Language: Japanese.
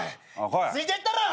ついてったるわ！